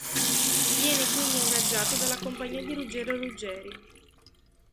Viene quindi ingaggiato dalla compagnia di Ruggero Ruggeri.